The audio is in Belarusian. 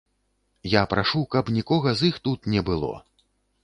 Я прашу, каб нікога з іх тут не было.